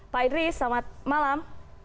pak idris selamat malam